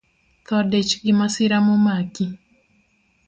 Thoo dich gi masira momaki